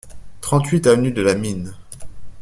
trente-huit avenue de la Mine